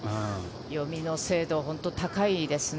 読みの精度、本当に高いですね。